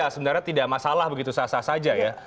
sebenarnya tidak masalah begitu sah sah saja ya